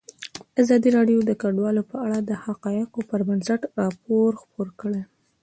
ازادي راډیو د کډوال په اړه د حقایقو پر بنسټ راپور خپور کړی.